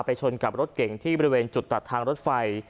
ชนกับรถเก่งที่บริเวณจุดตัดทางรถไฟ